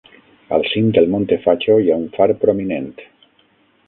Al cim del Monte Facho hi ha un far prominent..